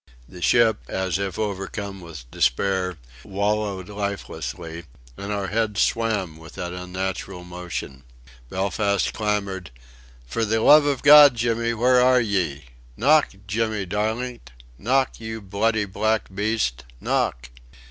The ship, as if overcome with despair, wallowed lifelessly, and our heads swam with that unnatural motion. Belfast clamoured: "For the love of God, Jimmy, where are ye?... Knock! Jimmy darlint!... Knock! You bloody black beast! Knock!"